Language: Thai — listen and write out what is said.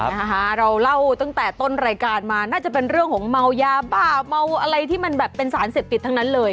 นะคะเราเล่าตั้งแต่ต้นรายการมาน่าจะเป็นเรื่องของเมายาบ้าเมาอะไรที่มันแบบเป็นสารเสพติดทั้งนั้นเลย